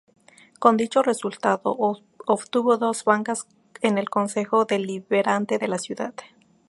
Con dicho resultado, obtuvo dos bancas en el Concejo Deliberante de la ciudad.